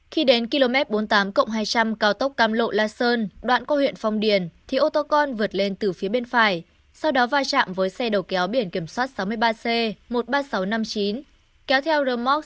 khi đến km bốn mươi tám hai trăm linh cao tốc càm lộ la sơn đoạn qua huyện phong điền thì ô tô còn vượt lên từ phía bên phải sau đó vai trạm với xe đầu kéo biển kiểm soát sáu mươi ba c một mươi ba nghìn sáu trăm năm mươi chín kéo theo rơm mốc sáu mươi ba r hai trăm hai mươi bảy